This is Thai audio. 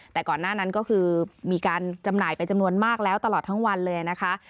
แต่ก่อนหน้านั้นก็คือมีการจำหน่ายไปจำนวนมากแล้วตลอดทั้งวันเลยนะคะ